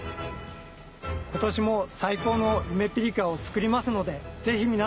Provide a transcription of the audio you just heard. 今年も最高のゆめぴりかを作りますのでぜひ皆さん。